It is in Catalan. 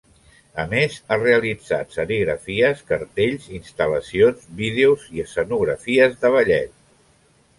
A més ha realitzat serigrafies, cartells, instal·lacions, vídeos i escenografies de ballet.